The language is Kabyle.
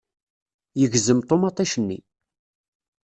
Yegzem ṭumaṭic-nni.